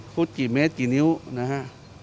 ฟุตกี่เม็ดกี่นิ้วนะฮะ